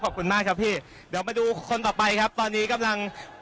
ขอบคุณมากครับพี่เดี๋ยวมาดูคนต่อไปครับตอนนี้กำลัง